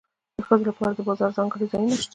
د ښځو لپاره د بازار ځانګړي ځایونه شته